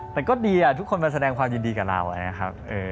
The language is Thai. แต่ก็ดีทุกคนมาแสดงความยินดีกับเรานะครับ